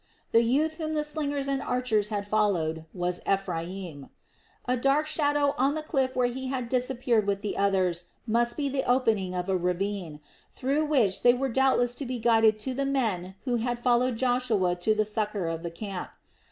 The youth whom the slingers and archers had followed was Ephraim. A black shadow on the cliff where he had disappeared with the others must be the opening of a ravine, through which they were doubtless to be guided to the men who had followed Joshua to the succor of the camp.